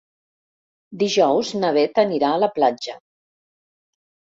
Dijous na Beth anirà a la platja.